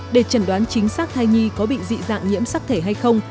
để chẩn đoán chính xác thai nhi có bị dị dạng nhiễm sắc thể hay không